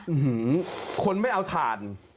อื้อฮือคนไม่เอาถ่าน